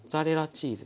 チーズ。